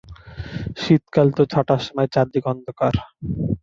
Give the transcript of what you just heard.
শীতকাল তো ছাঁটার সময় চারদিক অন্ধকার।